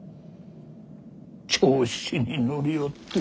調子に乗りおって。